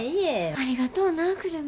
ありがとうな久留美。